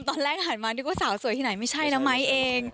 ตอนแรกหันมานึกว่าสาวสวยที่ไหนไม่ใช่แล้วไม้เอง